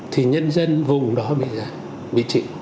thì nhân dân vùng đó bị trị